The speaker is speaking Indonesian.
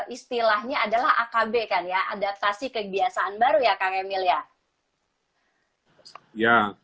istilahnya adalah akb kan ya adaptasi kebiasaan baru ya kang emil ya